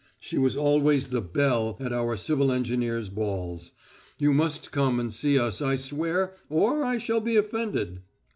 She was always the belle at our civil engineers' balls. You must come and see us, I swear, or I shall be offended."